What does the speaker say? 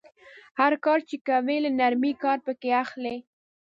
هر کار چې کوئ له نرمۍ کار پکې اخلئ.